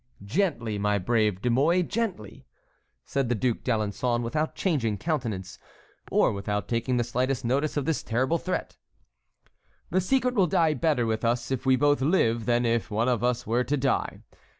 "Gently, my brave De Mouy, gently!" said the Duc d'Alençon without changing countenance, or without taking the slightest notice of this terrible threat. "The secret will die better with us if we both live than if one of us were to die.